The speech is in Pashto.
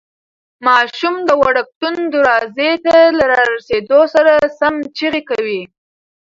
ماشوم د وړکتون دروازې ته له رارسېدو سره سم چیغې کوي.